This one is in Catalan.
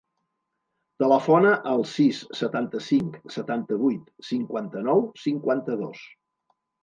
Telefona al sis, setanta-cinc, setanta-vuit, cinquanta-nou, cinquanta-dos.